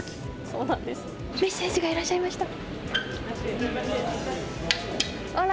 メッシ選手がいらっしゃいました。